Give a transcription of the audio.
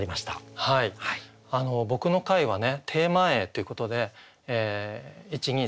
僕の回はねテーマ詠ということで１２３と違ってね